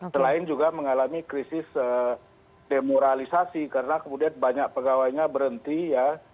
selain juga mengalami krisis demoralisasi karena kemudian banyak pegawainya berhenti ya